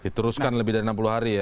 diteruskan lebih dari enam puluh hari ya